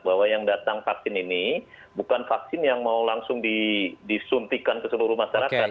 bahwa yang datang vaksin ini bukan vaksin yang mau langsung disuntikan ke seluruh masyarakat